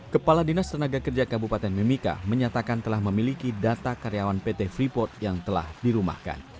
kepala dinas tenaga kerja kabupaten mimika menyatakan telah memiliki data karyawan pt freeport yang telah dirumahkan